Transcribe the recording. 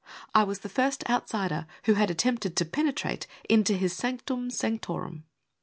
I was the first outsider who had attempted to penetrate into his sanctum sanctorum..